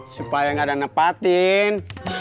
supaya gak ada nepatin